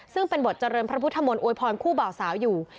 ซึ่งเป็นบทเจริญพระพุทธมนต์อวยพรคู่บ่าวสาวอยู่